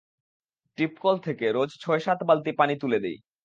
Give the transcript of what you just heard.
টিপকাল থেকে রোজ ছয়সাত বালতি পানি তুলে দেই।